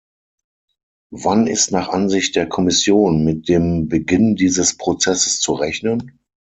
Wann ist nach Ansicht der Kommission mit dem Beginn dieses Prozesses zu rechnen?